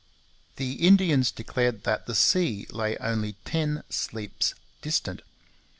The Indians declared that the sea lay only ten 'sleeps' distant.